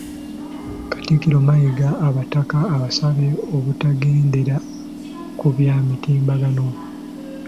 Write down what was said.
Katikkiro Mayiga abataka abasabye obutagendera ku bya mitimbagano